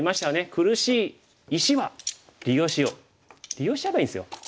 「苦しい石は利用しよう」利用しちゃえばいいんですよ。